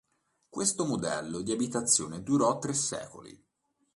Questo modello di abitazione durò tre secoli.